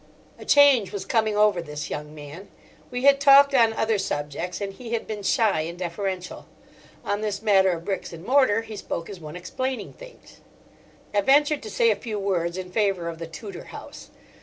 A change was coming over this young man. We had talked on other subjects and he had been shy and deferential. On this matter of bricks and mortar he spoke as one explaining things. I ventured to say a few words in favour of the Tudor house.